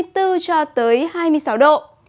tối cho tới hai mươi sáu độ